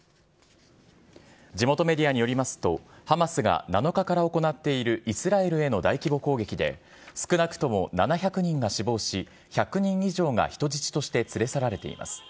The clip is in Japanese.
地元メディアによりますと、ハマスが７日から行っているイスラエルへの大規模攻撃で少なくとも７００人が死亡し、１００人以上が人質として連れ去られています。